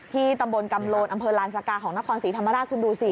ตำบลกำโลนอำเภอลานสกาของนครศรีธรรมราชคุณดูสิ